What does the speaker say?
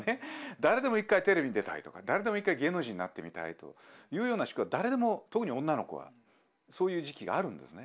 誰でも１回テレビに出たいとか誰でも１回芸能人になってみたいというような人は誰でも特に女の子はそういう時期があるんですね。